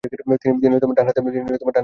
তিনি ডানহাতে ব্যাট করেন।